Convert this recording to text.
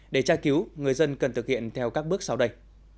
để tra cứu người dân cần thực hiện theo các bước sau đây